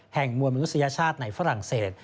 มวลมนุษยชาติในฝรั่งเศส